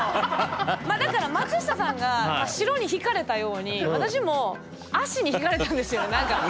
だから松下さんが白にひかれたように私も足にひかれたんですよ何か。